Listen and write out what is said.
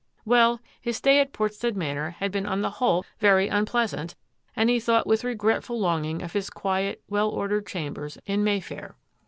Well, his stay at Portstead Manor had been on the whole very unpleasant, and he thought with re gretful longing of his quiet, well ordered chambers in Mayfair.